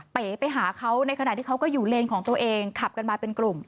เป๋ไปหาเขาในขณะที่เขาก็อยู่เลนของตัวเองขับกันมาเป็นกลุ่ม